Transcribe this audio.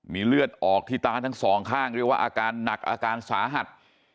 มีเลือดออกที่ตาทั้งสองข้างเรียกว่าอาการหนักอาการสาหัส